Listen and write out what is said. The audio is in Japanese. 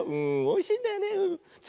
おいしいんだよね。